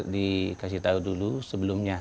dikasih tahu dulu sebelumnya